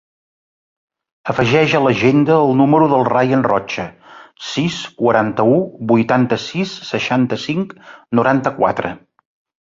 Afegeix a l'agenda el número del Rayan Rocha: sis, quaranta-u, vuitanta-sis, seixanta-cinc, noranta-quatre.